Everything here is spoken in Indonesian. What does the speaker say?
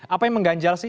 apa yang mengganjal sih